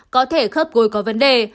có thể khớp gối có vấn đề